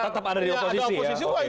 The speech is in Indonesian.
tetap ada di oposisi